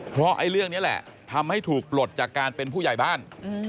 เพราะไอ้เรื่องนี้แหละทำให้ถูกปลดจากการเป็นผู้ใหญ่บ้าน